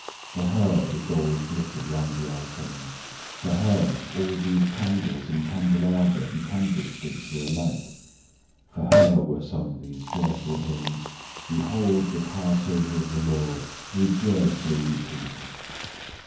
For her the gold glittered round the icons; for her all these candles in candelabra and candlesticks were alight; for her were sung these joyful hymns, "Behold the Passover of the Lord" "Rejoice, O ye people!"